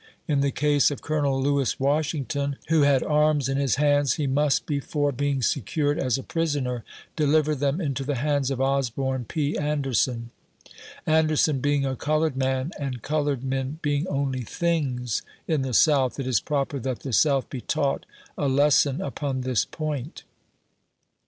In the case of Colonel Lewis Washington, who had arms in his hands, he must, before THE ORDERS OF CAPT. BROWN. 31 being secured as a prisoner, deliver them into the hands of Osborne P. Anderson. Anderson being a colored man, and colored men being only things in the South, it is proper that the South be taught a lesson upon this point.